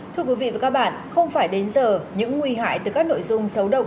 thưa quý vị và các bạn không phải đến giờ những nguy hại từ các nội dung xấu độc